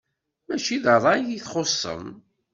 Mačči d ṛṛay i txuṣṣem.